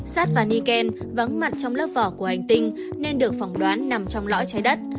sát và nikken vắng mặt trong lớp vỏ của hành tinh nên được phỏng đoán nằm trong lõi trái đất